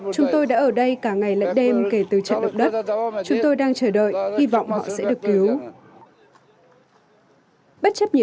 chúng tôi đã ở đây cả ngày lận đêm kể từ trận động đất chúng tôi đang chờ đợi hy vọng họ sẽ được cứu ra khỏi đống đồ nát